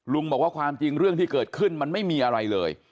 ลุงบอกว่าความจริงเรื่องที่เกิดขึ้นมันไม่มีอะไรเลย